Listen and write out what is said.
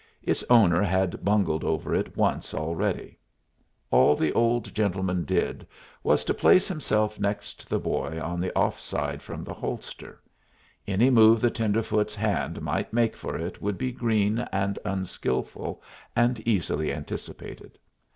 Its owner had bungled over it once already. All the old gentleman did was to place himself next the boy on the off side from the holster; any move the tenderfoot's hand might make for it would be green and unskilful, and easily anticipated.